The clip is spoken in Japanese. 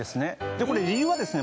でこれ理由はですね